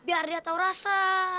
biar dia tau rasa